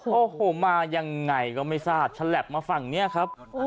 โอ้โหมายังไงก็ไม่ทราบฉลับมาฝั่งนี้ครับ